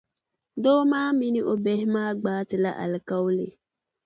doo maa mini o bihi maa gbaai ti la alikauli.